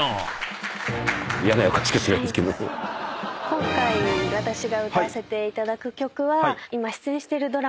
今回私が歌わせていただく曲は。